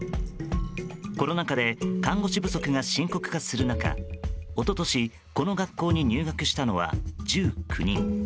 コロナ禍で看護師不足が深刻化する中一昨年、この学校に入学したのは１９人。